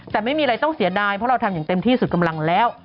แต่ไม่มีอะไรต้องเสียดายเพราะเราทำอย่างเต็มที่สุดกำลังแล้ว